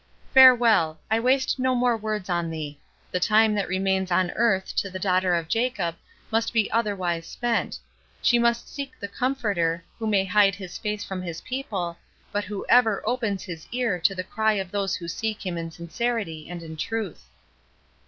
Farewell—I waste no more words on thee; the time that remains on earth to the daughter of Jacob must be otherwise spent—she must seek the Comforter, who may hide his face from his people, but who ever opens his ear to the cry of those who seek him in sincerity and in truth."